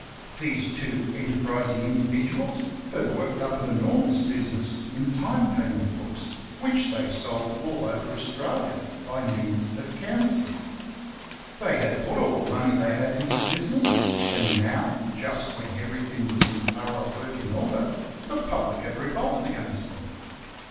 These two enterprising indi viduals had worked up an enormous business in time payment books, which they sold all over Australia by means of canvassers. They had put all the money they had into the business; and now, just when everything was in thorough working order, the public had revolted against them.